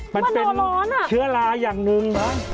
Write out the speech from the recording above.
มันเป็นเชื้อราอย่างหนึ่ง